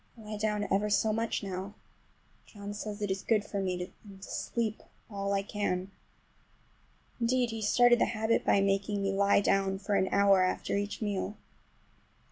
I lie down ever so much now. John says it is good for me, and to sleep all I can. Indeed, he started the habit by making me lie down for an hour after each meal.